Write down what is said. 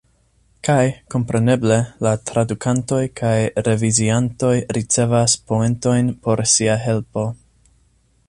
Kaj, kompreneble, la tradukantoj kaj reviziantoj ricevas poentojn por sia helpo.